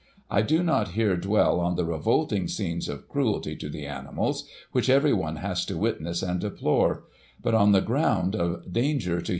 I do not here dwell on the revolting scenes of cruelty to the animals, which everyone has to witness and deplore ; but, on the ground of danger to Digiti ized by Google 304 GOSSIP.